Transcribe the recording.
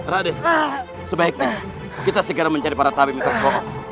raden sebaiknya kita segera mencari para tabib yang tersuap